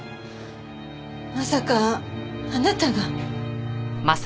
まさかあなたが？